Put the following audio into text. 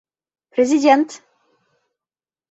Президент!